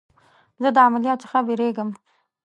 زه د عملیات څخه بیریږم.